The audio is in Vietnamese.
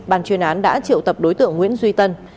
ban chuyên án đã triệu tập đối tượng nguyễn duy tân